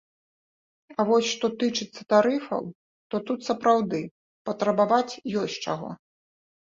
А вось што тычыцца тарыфаў, то тут, сапраўды, патрабаваць ёсць чаго.